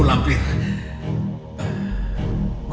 dan membuatmu tak berpikir